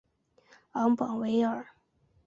昂邦维尔。